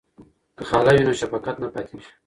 که خاله وي نو شفقت نه پاتیږي.